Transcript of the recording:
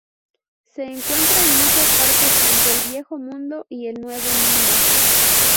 Se encuentra en muchas partes, tanto del Viejo Mundo y el Nuevo Mundo.